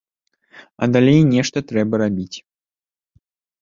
А далей нешта трэба рабіць.